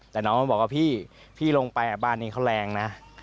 แต่น้องก็บอกว่าพี่พี่ลงไปบ้านนี้เขาแรงนะ